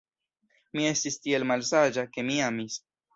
Mi estis tiel malsaĝa, ke mi amis.